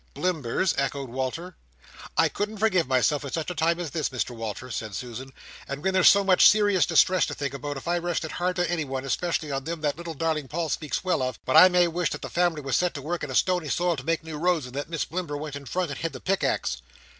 "Blimbers?" echoed Walter. "I couldn't forgive myself at such a time as this, Mr Walter," said Susan, "and when there's so much serious distress to think about, if I rested hard on anyone, especially on them that little darling Paul speaks well of, but I may wish that the family was set to work in a stony soil to make new roads, and that Miss Blimber went in front, and had the pickaxe!"